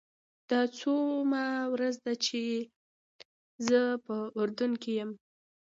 دا څوومه ورځ ده چې زه په اردن کې یم.